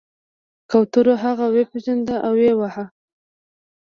کوترو هغه وپیژند او ویې واهه.